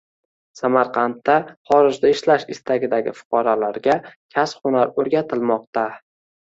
Samarqandda xorijda ishlash istagidagi fuqarolarga kasb -hunar o‘rgatilmoqda